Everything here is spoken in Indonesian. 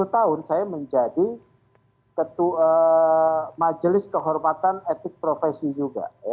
sepuluh tahun saya menjadi majelis kehormatan etik profesi juga